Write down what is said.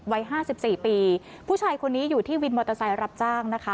วัยห้าสิบสี่ปีผู้ชายคนนี้อยู่ที่วินมอเตอร์ไซค์รับจ้างนะคะ